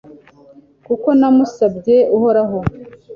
kuko namusabye uhoraho